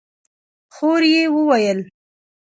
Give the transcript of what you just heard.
خور يې وويل: